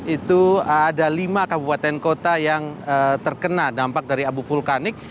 itu ada lima kabupaten kota yang terkena dampak dari abu vulkanik